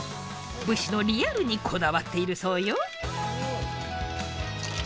武士のリアルにこだわっているそうよ。